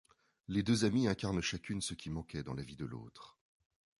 Les deux amies incarnent chacune ce qui manquait dans la vie de l'autre.